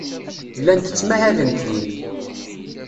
Llant ttmahalent din.